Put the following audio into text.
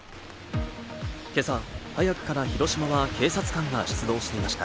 今朝早くから広島は警察官が出動していました。